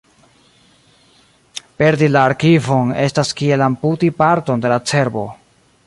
Perdi la arkivon estas kiel amputi parton de la cerbo.